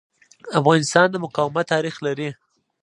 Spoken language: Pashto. افغانستان د مقاومت تاریخ لري.